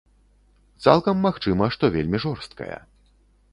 Цалкам магчыма, што вельмі жорсткая.